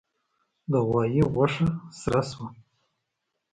د غوايي غوښه سره شوه.